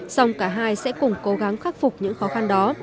xong cả hai sẽ cùng cố gắng khắc phục những khó khăn đó